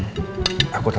aku ngelak dulu ya